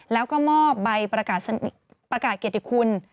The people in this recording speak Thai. แล้วก็มอบใบประกาศกิจคุณ